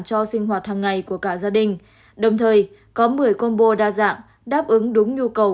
cho sinh hoạt hàng ngày của cả gia đình đồng thời có một mươi combo đa dạng đáp ứng đúng nhu cầu